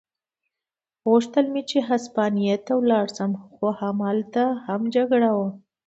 غوښتل مې چې هسپانیې ته ولاړ شم، خو همالته هم جګړه وه.